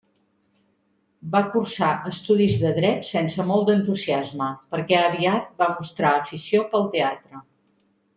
Va cursar estudis de Dret sense molt d'entusiasme, perquè aviat va mostrar afició pel teatre.